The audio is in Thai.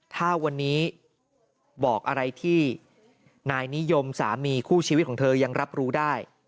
ถ้าวันนี้บอกอะไรที่นายนิยมสามีคู่ชีวิตของเธอยังรับรู้ได้